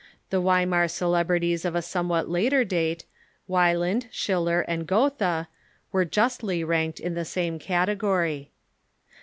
The Weimar celebrities of a somewhat later date, Wieland, Schiller, and Goethe, were justly ranked in the same category.